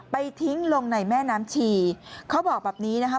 ทิ้งลงในแม่น้ำชีเขาบอกแบบนี้นะคะ